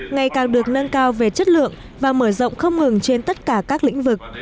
ngày càng được nâng cao về chất lượng và mở rộng không ngừng trên tất cả các lĩnh vực